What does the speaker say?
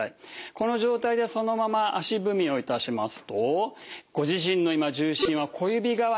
この状態でそのまま足踏みをいたしますとご自身の今重心は小指側にあるかもしれません。